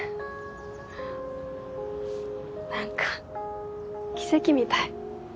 何か奇跡みたい。